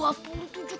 buah buahnya gitu ya